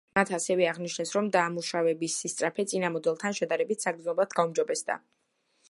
მათ ასევე აღნიშნეს, რომ დამუშავების სისწრაფე წინა მოდელთან შედარებით საგრძნობლად გაუმჯობესდა.